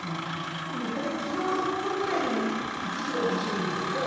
僕大体キロ６分ぐらいで１キロ走るんですけど。